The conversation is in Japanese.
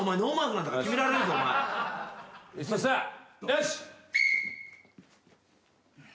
よし。